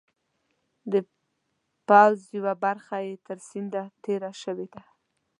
د پوځ یوه برخه یې تر سیند تېره شوې ده.